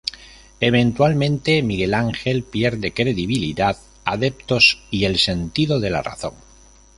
Eventualmente, Miguel Ángel pierde credibilidad, adeptos y el sentido de la razón.